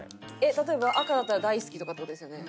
例えば赤だったら「大好き」とかって事ですよね。